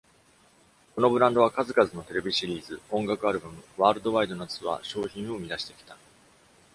このブランドは数々のテレビシリーズ、音楽アルバム、ワールドワイドなツアー、商品を生み出してきた。